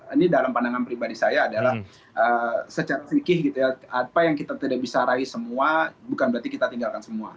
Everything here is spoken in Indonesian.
ini dalam pandangan pribadi saya adalah secara fikih gitu ya apa yang kita tidak bisa raih semua bukan berarti kita tinggalkan semua